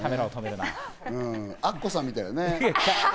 アッコさんみたいだね。